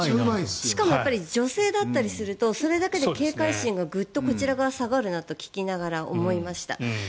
しかも女性だったりすると警戒心がグッとこちらが下がるなと聞きながら思いました。